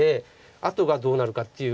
あとがどうなるかっていう。